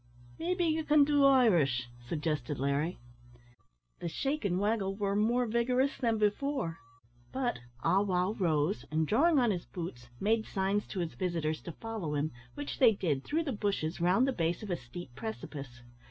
"Maybe ye can do Irish?" suggested Larry. The shake and waggle were more vigorous than before but Ah wow rose, and, drawing on his boots, made signs to his visitors to follow him, which they did, through the bushes, round the base of a steep precipice.